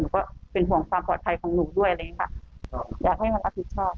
หนูก็เป็นห่วงความปลอดภัยของหนูด้วยอยากให้มันรับผิดชอบ